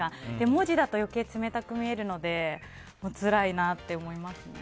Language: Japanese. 文字だと余計に冷たく見えるのでつらいなと思いますね。